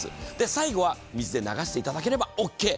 最後は水で流していただければオッケー。